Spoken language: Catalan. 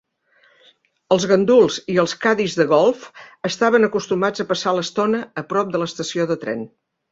Els ganduls i els cadis de golf estaven acostumats a passar l'estona a prop de l'estació de tren.